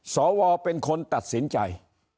สวเป็นคนตัดสินใจ